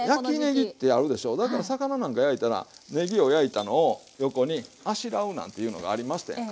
だから魚なんか焼いたらねぎを焼いたのを横にあしらうなんていうのがありましたやんか。